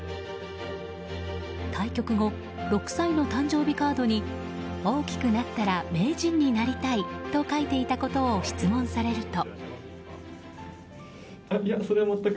対局後、６歳の誕生日カードに「大きくなったら名人になりたい」と書いていたことを質問されると。